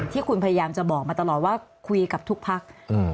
ที่คุณพยายามจะบอกมาตลอดว่าคุยกับทุกพัก